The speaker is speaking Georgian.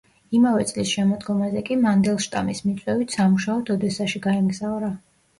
იმავე წლის შემოდგომაზე კი მანდელშტამის მიწვევით სამუშაოდ ოდესაში გაემგზავრა.